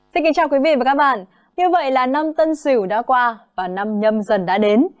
xin kính chào quý vị và các bạn như vậy là năm tân sửu đã qua và năm nhâm dần đã đến